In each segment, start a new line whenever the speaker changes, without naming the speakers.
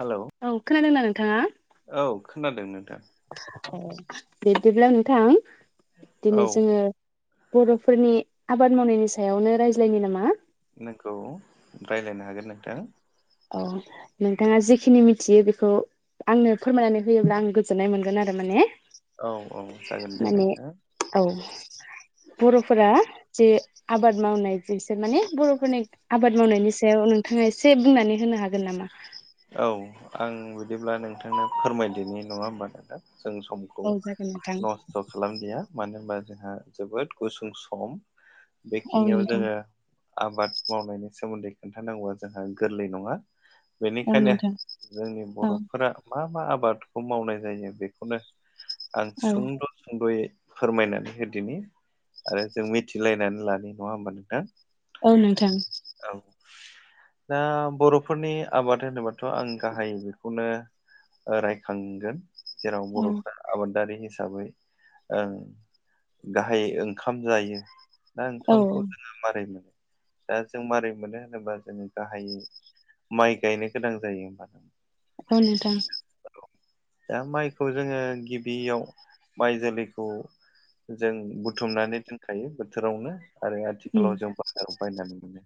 Hello
औ खोनादोंना नोंथाङा?
औ खोनादों नोंथां।
ओ बिदिब्ला नोंथां
औ
दिनै जोङो बर'फोरनि आबाद मावनायनि सायावनो रायज्लायनि नामा?
नोंगौ, रायलायनो हागोन नोंथां।
औ नोंथाङा जिखिनि मिथियो बेखौ आंनो फोरमायनानै होयोब्ला आं गोजोननाय मोनगोन आरो माने।
औ औ जागोन दे
माने
नोंथां।
औ बर'फोरा जे आबाद मावनाय बिसोर माने बर'फोरनि आबाद मावनायनि सायाव नोंथाङा एसे बुंनानै होनो हागोन नामा?
औ आं बिदिब्ला नोंथांनो फोरमायदिनि। नङा होमबा नोंथां? जों समखौ
औ
खौ
जागोन नोंथां
नस्थ' खालामदिया। मानो होनबा जोंहा जोबोद गुसुं सम।
औ
बेखिनियाव
नोंथां
जोङो आबाद मावनायनि सोमोन्दै खोन्थानांगौआ जोंहा गोरलै नङा।
औ
बेनिखायनो
नोंथां
जोंनि
औ
बर'फोरा मा मा आबादखौ मावनाय जायो बेखौनो आं
औ
सुंद' सुंद'यै फोरमायनानै होदिनि। आरो जों मिथिलायनानै लानि। नङा होमबा नोंथां?
औ नोंथां।
औ, दा बर'फोरनि आबाद होनोबाथ' आं गाहायै बेखौनो रायखांगोन जेराव
औ
बर'फ्रा आबादारि हिसाबै ओं गाहाय ओंखाम जायो। दा
औ
ओंखामखौ जोङो मारै मोनो? दा जों मारै मोनो होनोबा जोङो गाहायै माइ गायनो गोनां जायो होबा।
औ नोंथां।
दा माइखौ जोङो गिबियाव माइ जोलैखौ जों बुथुमनानै दोनखायो बोथोरावनो। आरो
उम
आथिखालाव जों बाजाराव बायनानै मोनो।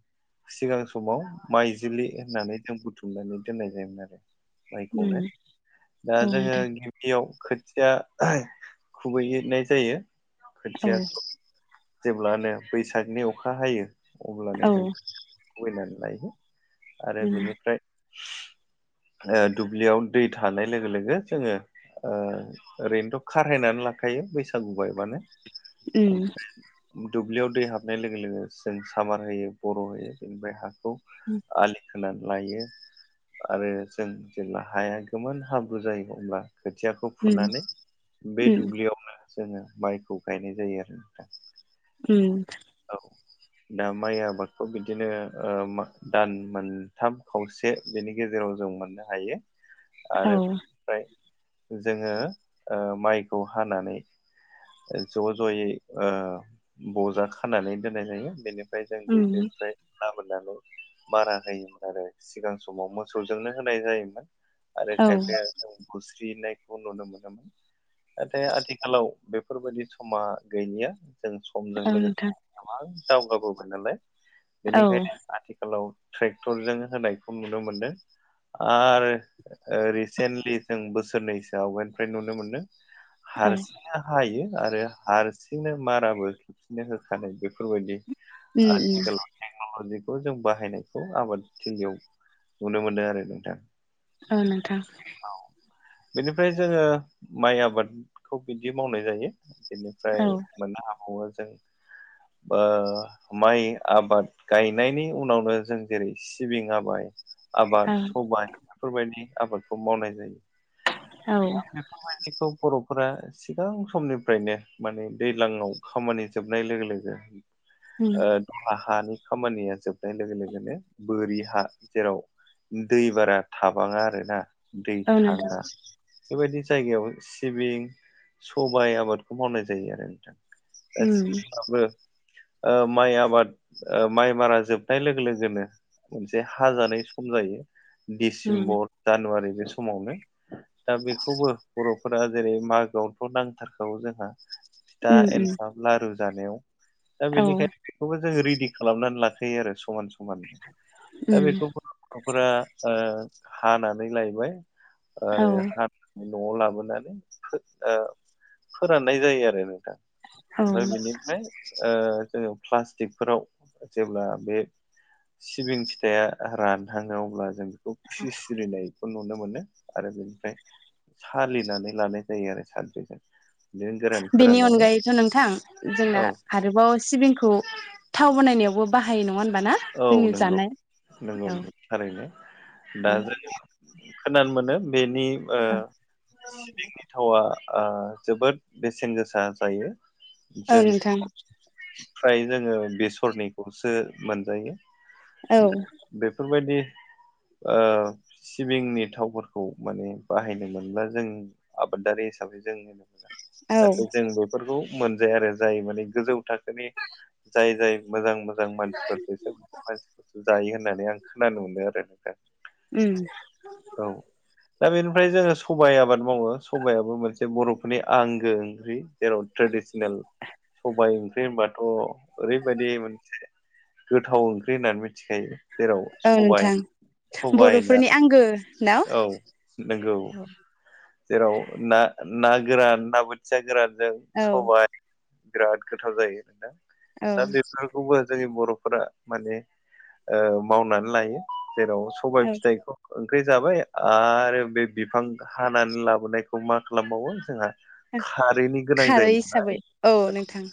सिगां समाव माइजुलि होननानै जों बुथुमनानै दोननाय जायोमोन आरो
उम
माइखौनो। दा
औ
जोङो
नोंथां
गि बियाव खोथिया खुबैहैनाय जायो।
औ
खोथियाखौ जेब्लानो बैसागनि अखा हायो अब्लानो
औ
जों खुबैनानै लायो। आरो
उम
बिनिफ्राय
[inaudible]
ओ दुब्लियाव दै थानाय लोगो लोगो जोङो ओ ओरैनोथ' खारहायनानै लाखायो बैसागु बायबानो।
ओम।
दुब्लियाव दै हाबनाय लोगो लोगो जों सामार होयो, बर' होयो बेनिफ्राय हा खौ आलि खोनानै लायो। आरो जों जेब्ला हाया गोबान हाब्रु जायो अब्ला खोथियाखौ
उम
फुनानै बे
उम
दुब्लियावनो जोङो माइखौ गायनाय जायो आरो [inaudible]
उम
औ दा माइ आबादखौ बिदिनो ओ दान मोनथाम खावसे बेनि गेजेराव जों मोननो हायो
[inaudible]
आरो ओफ्राय जोङो ओ माइखौ हानानै ज' ज'यै ओ बजा खानानै दोननाय जायो। बेनिफ्राय जों
उम
दुब्लिनिफ्राय लाबोनानै बारा होयोमोन आरो। सिगां समाव मोसौजोंनो होनाय जायोमोन। आरो
औ
खायफाया खुस्रिनायखौ नुनो मोनोमोन। नाथाय आथिखालाव बेफोरबायदि समा गैलिया जों समजों
औ
लोगोसे
नोंथां
गोबां दावगाबोबाय नालाय।
औ
बेनिखायनो आथिखालाव ट्रेक्टरजों होनायखौ नुनो मोनदों। आरो ओ रिसेन्टलि जों बोसोरनैसो आवगायनिफ्राय नुनो मोनदों।
औ
हारसिङनो हायो आरो हारसिंनो माराबो खेबसेनो होखानाय बेफोरबायदि
उम उम
आथिखालाव टेक्न'लजिखौ जों बाहायनायखौ आबादथिलियाव नुनो मोनदों आरो नोंथां
औ नोंथां
औ बेनिफ्राय जोङो माइ आबादखौ बिदि मावनाय जायो बेनिफ्राय
औ
मोननो हाबावो जों ओ माइ आबाद गायनायनि उनावनो जों जेरै सिबिं आमाइ आबाद
औ
सबाइ बेफोरबायदि आबादखौ मावनाय जायो
औ
खामानिखौ बर'फोरा सिगां समनिफ्रायनो माने दैज्लांयाव खामानि जोबनाय लोगो लोगो
उम
ओ दहा हानि खामानिया जोबनाय लोगो लोगोनो बोरि हा जेराव दै बारा थाबाङा आरोना दै
औ नोंथां
थाङा बेबायदि जायगायाव सिबिं सबाइ आबादखौ मावनाय जायो आरो नोंथां
उम
एसेबाबो ओ माइ आबाद ओ माइ मारा जोबनाय लोगो लोगोनो मोनसे हाजानाय सम जायो
उम
डिसेम्बर जानुवारि बे समावनो दा बेखौबो बर'फोरा जेरै मागोआवथ' नांथारखागौ जोंहा फिथा
उम उम
एनथाब लारु जानायाव दा
औ
बेनिखायनो बेखौबो जों रेडि खालामनानै लाखायो आरो समान समान दा
उम
बेखौ गथ'फोरा ओ हानानै लायबाय
औ
आरो हा न'आव लाबोनानै फो-फोराननाय जायो आरो नोंथां
औ
ओमफ्राय बेनिफ्राय ओ जोङो प्लास्टिकफोराव जेब्ला बे सिबिं फिथाया रानहाङो अब्ला जों बेखौ फिस्रिनायखौ नुनो मोनो आरो बेनिफ्राय सालिनानै लानाय जायो आरो सानद्रिजों
बेनि अनगायैथ' नोंथां जोंना
औ
आरोबाव सिबिंखौ थाव बानायनायावबो बाहायो नङा होनबा ना
औ
जोंनि
नंगौ
जानाय
नंगौ
औ
थारैनो दा
औ
जोङो खोनानो मोनो बेनि सिबिंनि
[unintelligible]
थावा ओ जोबोद बेसेन गोसा जायो
औ
जों
नोंथां
फ्राय जोङो बेसरनिखौसो मोनजायो
औ
बेफोरबायदि ओ सिबिंनि थावफोरखौ माने बाहायनो मोनब्ला जों आबादारि हिसाबै जोंनिनो मोजां
औ
नाथाय जों बेफोरखौ मोनजाया आरो जाय माने गोजौ थाखोनि जाय जाय मोजां मोजां मानसिफोर बेसोरबादि मानसिफोरसो जायो होननानै आं खोनानो मोनो आरो नोंथां
उम
औ दा बेनिफ्राय जोङो सबाइ आबाद मावो सबाइयाबो मोनसे बर'फोरनि आंगो ओंख्रि जेराव ट्रेडिसनेल सबाइ ओंख्रि होनबाथ' ओरैबायदि मोनसे गोथाव ओंख्रि होननानै मिथिखायो जेराव
औ
सबाइ
नोंथां
सबाइ ना
बर'फोरनि आंगो
औ नंगौ जेराव ना ना गोरान ना बोथिया गोरानजों
औ
सबाइ बिराद गोथाव जायो नोंथां
औ
दा बेफोर खौबो जोंनि बर'फोरा माने ओ मावनानै लायो जेराव सबाइ
औ
फिथाइखौ बै जाबाय आरो बे बिफां हानानै लाबोनायखौ मा खालामबावो जोंहा खारैनि गोनां
खारै हिसाबै औ नोंथां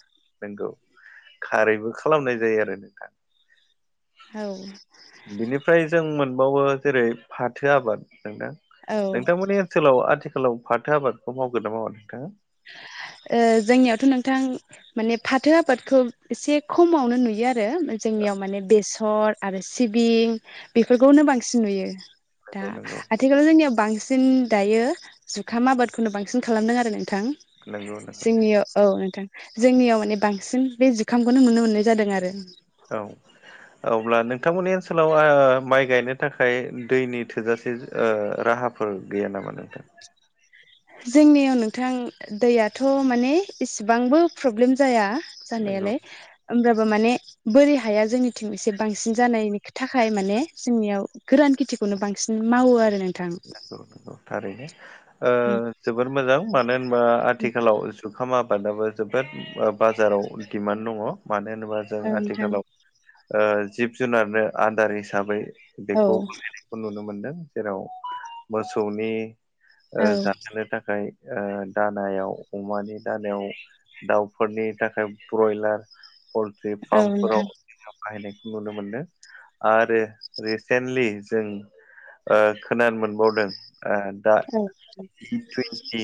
नंगौ खारैबो खालामनाय जायो आरो नोंथां
औ
बिनिफ्राय जों मोनबावो जेरै फाथो आबाद नोंथां
ओ
नोंथां मोननि खालाव आथिखालाव फाथो आबादखौ मावगोन ना मावा नोंथाङा
ओ जोंनियावथ' नोंथां माने फाथो आबादखौ एसे खमावनो नुयो आरो जोंनियाव माने बेसर आरो सिबिं बेफोरखौनो बांसिन नुयो दा
नंगौ
आ
नंगौ
- आथिखालाव जोंनियाव बांसिन दायो जुखाम आबादखौनो बांसिन खालामदों आरो नोंथां
नंगौ नंगौ
जोंनियाव औ नोंथां जोंनियाव माने बांसिन बे जिखामखौनो नुनो मोननाय जादों आरो
औ अब्ला नोंथांमोननि ओनसोलाव ओ माइ गायनो थाखाय दैनि थोजासे ओ राहा फोर गैया नामा नोंथां?
जोंनियाव नोंथां दैयाथ' माने इसेबांबो प्रब्लेम जाया
नंगौ
जानायालाय होमब्लाबो माने बोरै हाया जोंनिथिं एसे बांसिन जानायनि थाखाय माने जोंनियाव गोरान खेथि बेखौनो बांसिन मावो आरो नोंथां
नंगौ थारैनो ओ
औ
जोबोर मोजां मानो होनबा आथिखालाव जुग - खाम आबादाबो जोबोद ओ बाजाराव डिमान्ड दङ मानो होनोबा जों
नोंथां
आथिखालाव ओ जिब जुनारनो आदार हिसाबै
औ
बेखौ बाहायनाय खौ नुनो मोनदों जेराव मोसौनि ओ
औ
जाहोनो थाखाय ओ दानायाव अमानि दानायाव दाउफोरनि थाखाय ब्रयलार पलट्रि
औ
फार्मफोराव
नोंथां
बाहायनायखौ नुनो मोनदों आरो रिसेन्टलि जों ओ खोनानो मोनबावदों ओ दा
औ
इ टुन्टि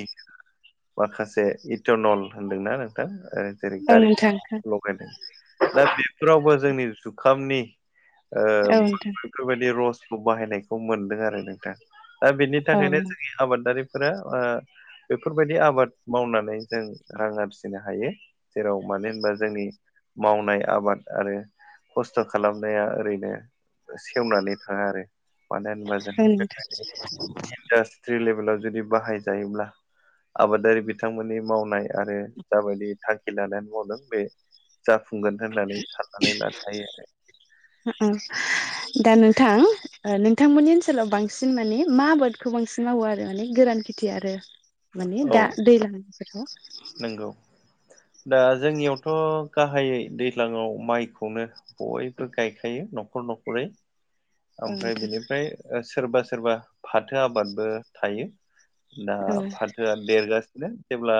माखासे इटनल होनदोंना नोंथां ओ जेरै
औ
गारि
नोंथां
दा बेफोरावबो जोंनि जुखामनि ओ
औ नोंथां
बेफोरबायदि रसखौ बाहायनायखौ मोनदों आरो नोंथां दा बेनि
औ
थाखायनो जोंनि आबादारिफोरा ओ बेफोरबायदि आबाद मावनानै जों रां आरजिनो हायो जेराव मानो होनबा जोंनि मावनाय आबाद आरो खस्थ' खालामनाया ओरैनो सेवनानै थाङा आरो
उम
दा स्ट्रि लेभेलाव जुदि बाहायजायोब्ला आबादारि बिथांमोननि मावनाय आरो जाबायदि थांखि लानानै मावदों बे जाफुंगोन होननानै साननानै लानो हायो आरो
उम उम दा नोंथां ओ नोंथांमोननि ओनसोलाव बांसिन माने मा आबादखौ बांसिन मावो आरो माने गोरान खेथि आरो माने
औ
दा दैलां बोथोराव
नंगौ दा जोंनियावथ' गाहायै दैज्लाङाव माइखौनो बयबो गायखायो न'खर न'खरै
औ
ओमफ्राय
नोंथां
बेनिफ्राय सोरबा सोरबा फाथो आबादबो थायो। दा
औ
फाथोआ देरगासिनो जेब्ला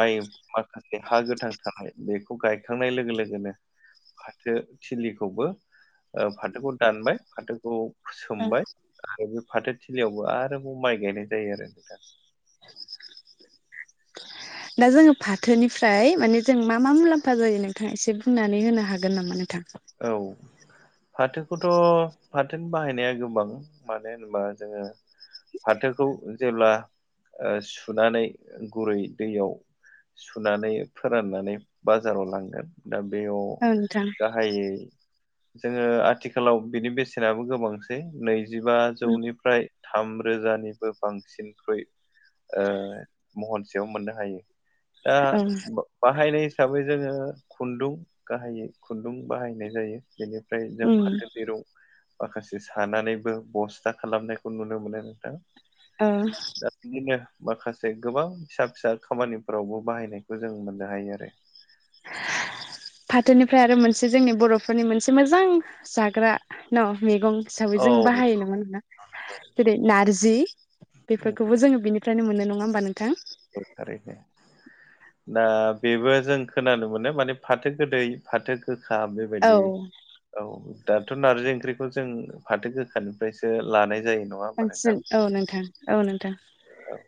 माइ माखासे हा गोथां थानाय बेखौ गायखांनाय लोगो लोगोनो फाथो थिलिखौबो फाथोखौ दानबाय फाथोखौ
औ
सोमबाय आरो बे फाथोथिलियावबो आरोबाव माइ गायनाय जायो आरो नोंथां
[inaudible] दा जोङो फाथोनिफ्राय माने जों मा मा मुलाम्फा जायो नोंथाङा एसे बुंनानै होनो हागोन नामा? नोंथांखौ
औ फाथोखौथ' फाथोनि बाहायनाया गोबां मानो होनोबा जोङो फाथोखौ जेब्ला सुनानै ओ गुरै दैयाव सुनानै फोराननानै बाजाराव लांगोन दा बेयाव
ओ नोंथां
गाहायै जोङो आथिखालाव बिनि बेसेनाबो गोबांसै नैजिबा जौनिफ्राय थाम रोजानिबो बांसिनख्रुइ ओ महन सेयाव मोननो हायो दा
औ
बाहायनाय हिसाबै जोङो खुन्दुं गाहायै खुन्दुं बाहायनाय जायो बेनि ओमफ्राय जों
उम
फाथो दिरुं माखासे सानानैबो बस्था खालामनायखौ नुनो मोनो नोंथां
ओम
दा बिदिनो माखासे गोबां फिसा फिसा खामानिफोरावबो बाहायनायखौ जों मोननो हायो आरो
फाथोनिफ्राय आरो मोनसे जोंनि बर'फोरनि मोनसे मोजां जाग्रा न' मेगं हिसाबै जों
औ
बाहायो नङा ओमबा जेरै नारजि बेफोरखौबो जोङो बिनिफ्रायनो मोननाय नङा होमबा नोंथां
औ थारैनो दा बेबो जों खोनानो मोनो माने फाथो गोदै फाथो गोखा
औ
बेबायदि औ दाथ' नार्जि ओंख्रिखौ जों फाथो गोखानिफ्रायसो लानाय जायो नङा होमबा नोंथां
बांसिन औ नोंथां औ नोंथां
औ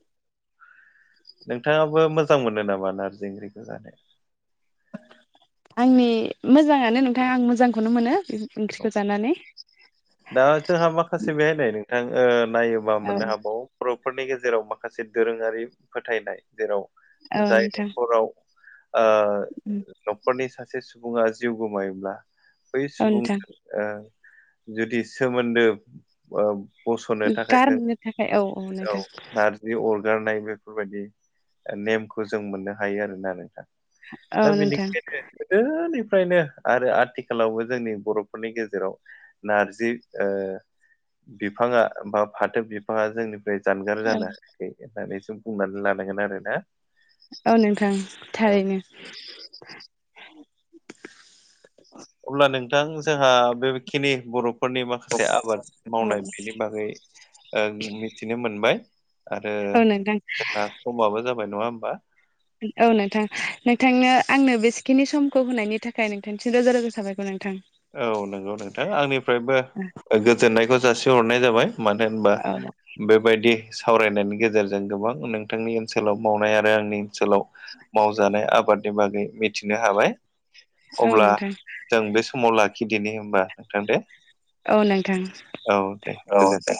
नोंथाङाबो मोजां मोनो नामा नारजि ओख्रिखौ जानो
आंनि मोजाङानो नोंथां आं मोजांखौनो मोनो
औ
ओंख्रिखौ जानानै
दा जोंहा माखासे बेहायनाय नोंथां नायोबा
औ
मोननो हाबावो बर'फोरनि गेजेराव माखासे दोरोङारि फोथायनाय जेराव जाय न'खराव ओ
उम
न'खरनि सासे सुबुङा जिउ गोमायोब्ला बै
औ नोंथां
सुबंनो ओ जुदि सोमोन्दो ओ बस'नो
उम
थाखाय जों
गारनो थाखाय औ
औ नार जि अरगारनाय बेफोरबायदि नेमखौ जों मोननो हायो आरोना नोंथां
औ
दा
नोंथां
बेनिखायनो गोदोनिफ्रायनो आरो आथिखालावबो जोंनि बर'फोरनि गेजेराव नारजि ओ बिफाङा बा फाथो बिफाङा जोंनि जानगार
औ
जानो हायाखै होननानै जों बुंनानै लानांगोन आरो ना
औ नोंथां थारैनो
अब्ला नोंथां जोंहा बेखिनि बर' फोरनि माखासे आबाद
औ
मावनाय बिनि बागै ओ मिथिनो मोनबाय आरो
औ नोंथां
जोंना समाबो जाबाय नङा होमबा
औ नोंथां नोंथांनो आंनो बेसेखिनि समखौ होनायनि थाखाय नोंथांनिसिम रोजा रोजा साबायखर नोंथां
औ नंगौ नोंथां आंनिफ्रायबो ओ गोजोननायखौ जासिहरनाय जाबाय। मादो होनबा
औ
बेबायदि सावरायनायनि गेजेरजों गोबां नोंथांनि ओनसोलाव मावनाय आरो आंनि ओनसोलाव मावजानाय आबादनि बागै मिथिनो हाबाय।
औ
अब्ला
नोंथां
जों बे समाव लाखिदिनि होमबा नोंथां दे।
औ नोंथां
औ दे
औ
गोजोन
दे